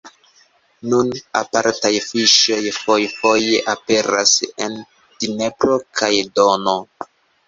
Nun apartaj fiŝoj fojfoje aperas en Dnepro kaj Dono.